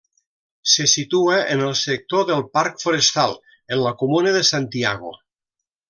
Se situa en el sector del Parc Forestal, en la comuna de Santiago.